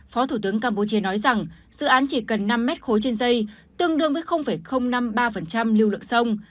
phó thủ tướng campuchia nói rằng dự án chỉ cần năm mét khối trên dây tương đương với năm mươi ba lưu lượng sông